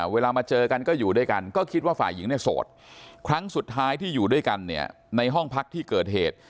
เวลามาเจอกันก็อยู่ด้วยกันก็คิดว่าฝ่ายหญิงเนี่ยโสดครั้งสุดท้ายที่อยู่ด้วยกันเนี่ยในห้องพักที่เกิดเหตุ